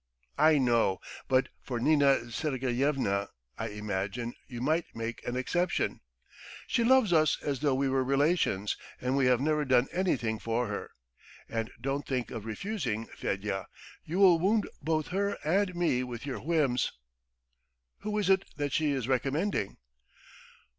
"I know, but for Nina Sergeyevna, I imagine, you might make an exception. She loves us as though we were relations, and we have never done anything for her. And don't think of refusing, Fedya! You will wound both her and me with your whims." "Who is it that she is recommending?"